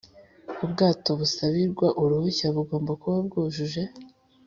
ubwato busabirwa uruhushya bugomba kuba bwujuje